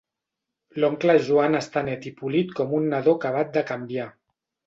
L'oncle Joan està net i polit com un nadó acabat de canviar.